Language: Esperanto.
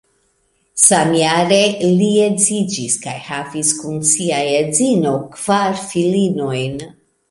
Samjare li edziĝis kaj havis kun sia edzino kvar filinojn.